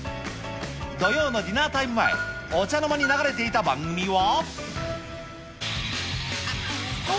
土曜のディナータイム前、お茶の前に流れていた番組は。